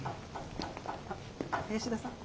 林田さん。